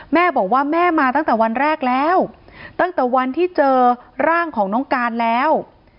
แม่บอกว่าแม่มาตั้งแต่วันแรกแล้วตั้งแต่วันที่เจอร่างของน้องการแล้ว